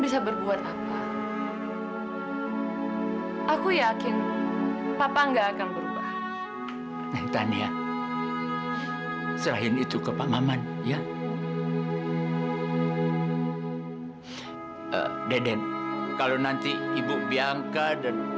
saya pikir preman harusnya ajar aja